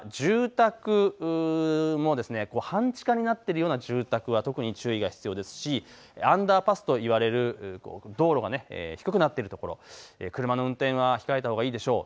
こういった住宅の半地下になっているような住宅は特に注意が必要ですしアンダーパスといわれる道路が低くなっているところ、車の運転は控えたほうがいいでしょう。